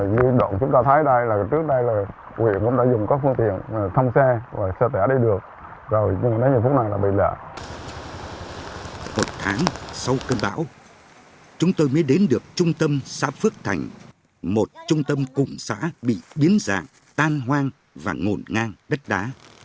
một tháng sau cơn bão chúng tôi mới đến được trung tâm xã phước thành một trung tâm cụm xã bị biến dạng tan hoang và ngộn ngang đất đá